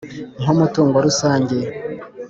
nk'umutungo rusange